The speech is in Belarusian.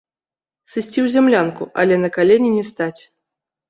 Сысці ў зямлянку, але на калені не стаць.